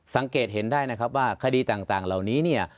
สังเกตเห็นได้นะครับว่าคดีต่างเหล่านี้เนี่ย